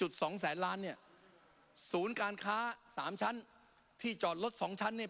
สูงภาคศัพท์ราวีศูนย์การค้า๓ชั้นที่จอดรถ๒ชั้นเนี่ย